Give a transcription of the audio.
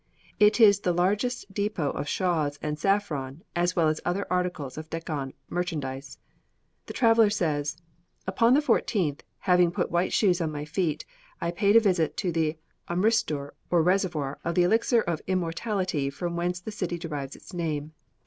It is the largest depôt of shawls and saffron as well as other articles of Deccan merchandise. The traveller says: "Upon the 14th, having put white shoes on my feet, I paid a visit to the Amritsur or reservoir of the elixir of immortality from whence the city derives its name.